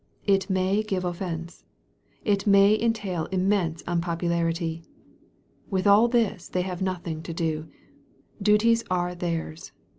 It may give offence. It may entail immense unpopularity. With all this they have nothing to do. Duties are theirs.